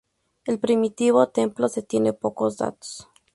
Del primitivo templo se tienen pocos datos.